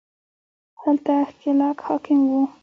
هلته ښکېلاک حاکم وو